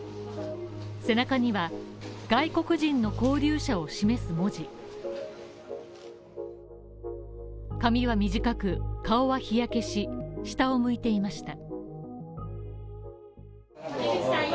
背中には外国人の拘留者を示す文字髪は短く、顔は日焼けし、下を向いていました。